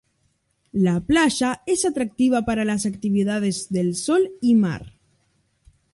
La playa es atractiva para las actividades del sol y mar.